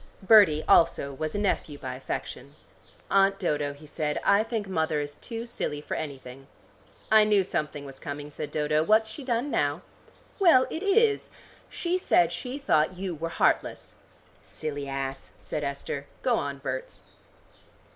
Bertie also was a nephew by affection. "Aunt Dodo," he said, "I think mother is too silly for anything." "I knew something was coming," said Dodo; "what's she done now?" "Well, it is. She said she thought you were heartless." "Silly ass," said Esther. "Go on, Berts."